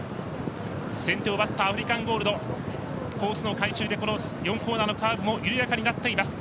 先手を奪ったアフリカンゴールドコースの改修で４コーナーのカーブも緩やかになっています。